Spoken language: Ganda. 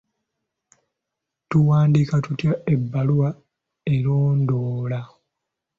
Tuwandiika tutya ebbaluwa erondoola?